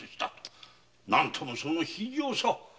何ともその非情さ。